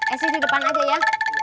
esnya di depan aja ya